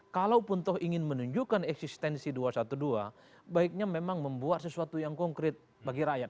kalaupun toh ingin menunjukkan eksistensi dua ratus dua belas baiknya memang membuat sesuatu yang konkret bagi rakyat